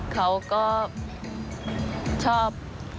เขาก็ชอบ